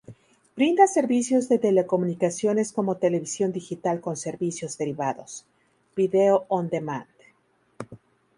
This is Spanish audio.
Brinda servicios de telecomunicaciones como Televisión Digital con servicios derivados: Video on Demand.